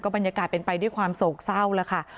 บรรยากาศเป็นไปด้วยความโศกเศร้าแล้วค่ะ